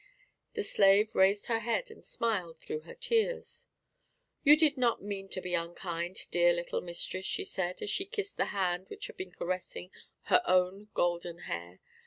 The slave raised her head and smiled through her tears. "You did not mean to be unkind, dear little mistress," she said, as she kissed the hand which had been caressing her own golden hair.